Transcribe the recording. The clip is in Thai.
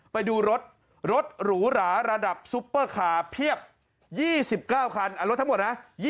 ไปดูรถรถหรูหราระดับซุปเปอร์คาร์เพียบ๒๙คันรถทั้งหมดนะ